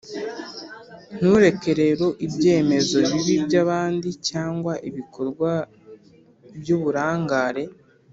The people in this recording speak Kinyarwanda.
ntureke rero ibyemezo bibi byabandi cyangwa ibikorwa byuburangare